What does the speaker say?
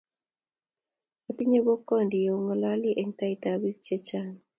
otinye bokwondi yeong'ololi eng taitab biik chechang